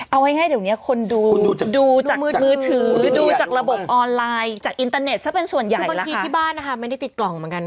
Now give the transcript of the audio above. เอาง่ายให้เดี๋ยวนี้คนดูดูจากมือถือดูจากระบบออนไลน์จากอินเตอร์เน็ตซะเป็นส่วนใหญ่คือบางทีที่บ้านนะคะไม่ได้ติดกล่องเหมือนกัน